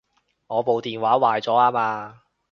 我部電話壞咗吖嘛